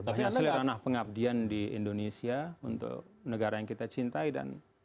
banyak sekali ranah pengabdian di indonesia untuk negara yang kita cintai dan